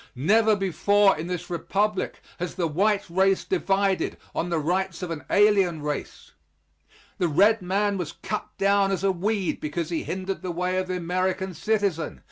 Never before in this Republic has the white race divided on the rights of an alien race. The red man was cut down as a weed because he hindered the way of the American citizen.